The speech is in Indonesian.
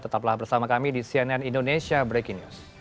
tetaplah bersama kami di cnn indonesia breaking news